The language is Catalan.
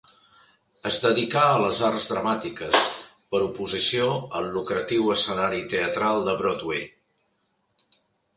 Es dedicà a les arts dramàtiques, per oposició al lucratiu escenari teatral de Broadway.